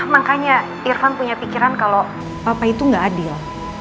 makanya irfan punya pikiran kalau papa itu nggak adil